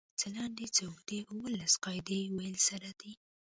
څۀ لنډې څۀ اوږدې اووه لس قاعدې ويلی سر دی